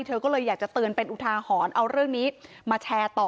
เธอก็เลยอยากจะเตือนเป็นอุทาหรณ์เอาเรื่องนี้มาแชร์ต่อ